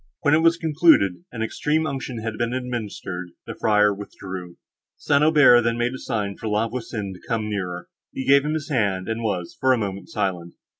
When it was concluded, and extreme unction had been administered, the friar withdrew. St. Aubert then made a sign for La Voisin to come nearer. He gave him his hand, and was, for a moment, silent.